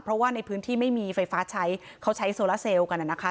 เพราะว่าในพื้นที่ไม่มีไฟฟ้าใช้เขาใช้โซลาเซลล์กันนะคะ